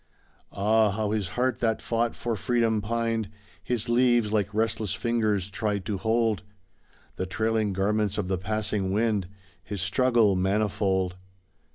Ah! how his heart that fought for freedom pined; His leaves, like restless fingers, tried to hold The trailing garments of the passing wind, His struggle manifold.